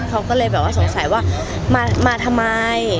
เขาก็เลยแบบว่าสงสัยว่ามาทำไม